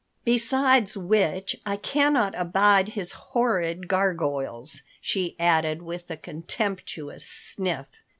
"Besides which, I cannot abide his horrid gargoyles," she added, with a contemptuous sniff.